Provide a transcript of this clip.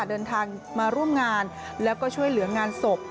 เดินทางมาร่วมงานแล้วก็ช่วยเหลืองานศพ